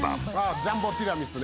ジャンボティラミスね。